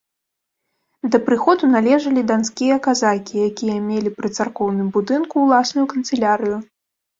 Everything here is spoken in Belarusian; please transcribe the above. Да прыходу належалі данскія казакі, якія мелі пры царкоўным будынку ўласную канцылярыю.